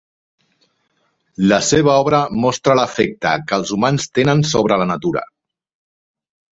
La seva obra mostra l'efecte que els humans tenen sobre la natura.